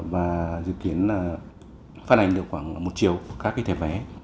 và dự kiến phát hành được khoảng một triệu các thẻ vé